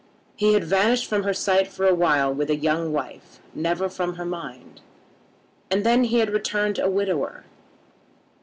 He had vanished from her sight for a while with a young wife, never from her mind, and then he had returned a widower.